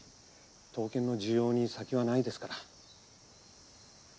刀剣の需要に先はないですから。